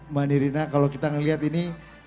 mbak nirina kalau kita melihat ini